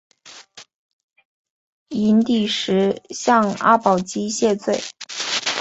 寅底石向阿保机谢罪。